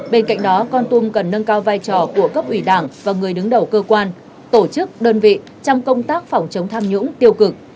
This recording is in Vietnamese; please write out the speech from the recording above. bên cạnh đó con tum cần nâng cao vai trò của cấp ủy đảng và người đứng đầu cơ quan tổ chức đơn vị trong công tác phòng chống tham nhũng tiêu cực